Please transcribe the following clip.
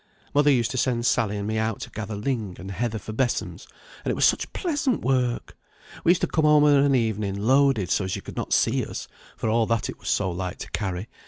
Mother used to send Sally and me out to gather ling and heather for besoms, and it was such pleasant work! We used to come home of an evening loaded so as you could not see us, for all that it was so light to carry.